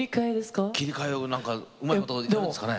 切り替えをうまいことやるんですかね？